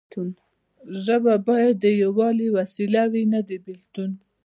ژبه باید د یووالي وسیله وي نه د بیلتون.